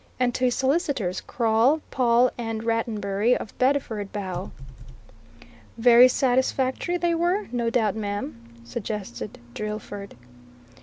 "And to his solicitors, Crawle, Pawle and Rattenbury, of Bedford Bow." "Very satisfactory they were, no doubt, ma'am?" suggested Drillford.